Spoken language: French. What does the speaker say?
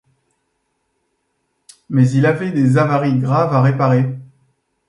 Mais il avait des avaries graves à réparer.